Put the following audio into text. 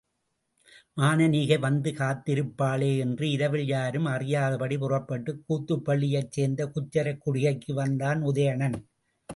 மானனீகை வந்து காத்திருப்பாளே என்று இரவில் யாரும் அறியாதபடி புறப்பட்டுக் கூத்தப்பள்ளியைச் சேர்ந்த குச்சரக் குடிகைக்கு வந்தான் உதயணன்.